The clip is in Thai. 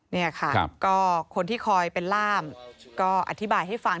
นี่ค่ะก็คนที่คอยเป็นล่ามก็อธิบายให้ฟัง